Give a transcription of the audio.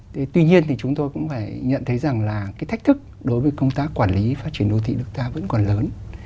thế tuy nhiên thì chúng tôi cũng phải nhận thấy rằng là cái thách thức đối với công tác quản lý phát triển đô thị nước ta vẫn còn lớn